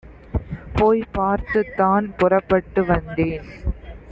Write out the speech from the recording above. போய்ப் பார்த்துத்தான் புறப்பட்டு வந்தேன்"